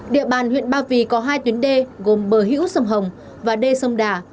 địa bàn huyện ba vì có hai tuyến d gồm bờ hữu sông hồng và d sông đà